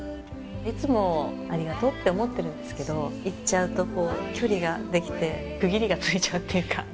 いつもありがとうって思ってるんですけど言っちゃうと距離ができて区切りがついちゃうっていうか。